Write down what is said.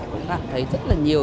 cũng cảm thấy rất là nhiều